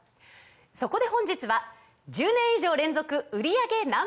そこで本日は１０年以上連続売り上げＮｏ．１